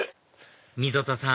溝田さん